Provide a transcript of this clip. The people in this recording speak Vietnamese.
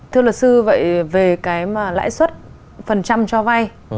thưa luật sư vậy về cái mà lãi suất phần trăm cho vay